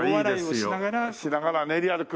しながら練り歩く？